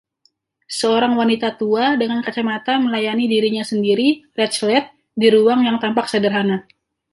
Seorang wanita tua dengan kacamata melayani dirinya sendiri Raclette di ruang yang tampak sederhana.